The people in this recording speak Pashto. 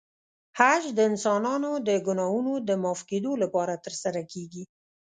حج د انسانانو د ګناهونو د معاف کېدو لپاره ترسره کېږي.